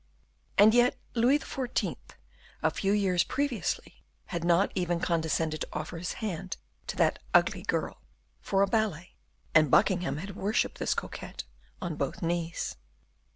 And yet Louis XIV., a few years previously, had not even condescended to offer his hand to that "ugly girl" for a ballet; and Buckingham had worshipped this coquette "on both knees."